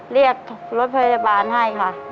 เรียกรถพยาบาลให้ค่ะ